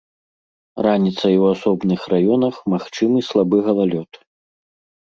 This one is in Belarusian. Раніцай у асобных раёнах магчымы слабы галалёд.